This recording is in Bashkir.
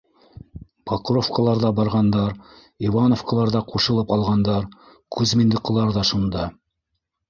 Покровкалар ҙа барғандар, Ивановкалар ҙа ҡушылып алғандар, Кузьминдыҡылар ҙа шунда.